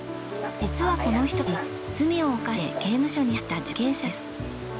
実はこの人たち罪を犯して刑務所に入った受刑者です。